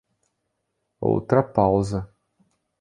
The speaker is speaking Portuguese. Outra pausa.